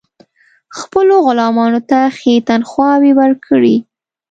خپلو غلامانو ته ښې تنخواوې ورکړي.